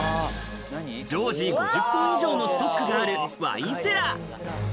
常時５０本以上のストックがあるワインセラー。